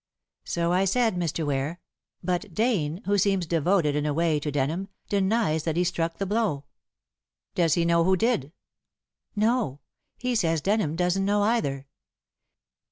"So I said, Mr. Ware; but Dane, who seems devoted in a way to Denham, denies that he struck the blow." "Does he know who did?" "No. He says Denham doesn't know either."